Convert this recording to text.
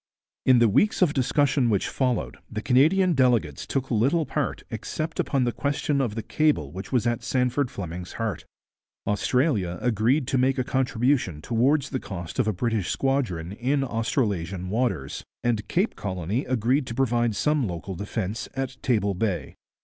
In the weeks of discussion which followed the Canadian delegates took little part except upon the question of the cable which was at Sandford Fleming's heart. Australia agreed to make a contribution towards the cost of a British squadron in Australasian waters, and Cape Colony agreed to provide some local defence at Table Bay.